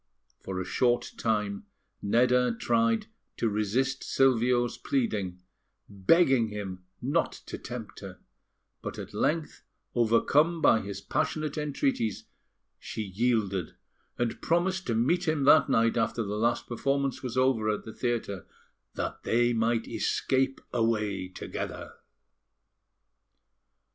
For a short time, Nedda tried to resist Silvio's pleading, begging him not to tempt her; but at length, overcome by his passionate entreaties, she yielded, and promised to meet him that night after the last performance was over at the theatre, that they might escape away together.